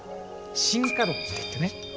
「進化論」っていってね。